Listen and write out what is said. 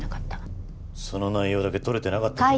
その内容だけ撮れてなかったんじゃ。